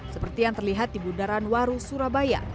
seperti yang terlihat di bundaran waru surabaya